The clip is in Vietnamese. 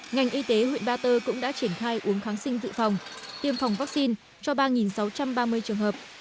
ngành y tế huyện ba tơ cũng đã triển khai uống kháng sinh dự phòng tiêm phòng vaccine cho ba sáu trăm ba mươi trường hợp